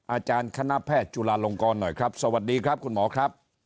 อาจารย์คณะแพทย์จุลาลงกรหน่อยครับสวัสดีครับคุณหมอครับ